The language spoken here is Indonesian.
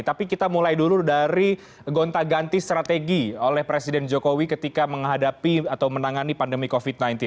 tapi kita mulai dulu dari gonta ganti strategi oleh presiden jokowi ketika menghadapi atau menangani pandemi covid sembilan belas